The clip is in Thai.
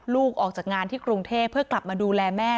ออกจากงานที่กรุงเทพเพื่อกลับมาดูแลแม่